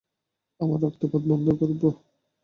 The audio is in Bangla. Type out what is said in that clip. আমরা রক্তপাত বন্ধ করব।